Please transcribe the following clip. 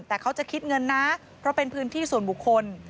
แต่เขาจะคิดเงินนะเพราะเป็นพื้นที่ส่วนบุคคล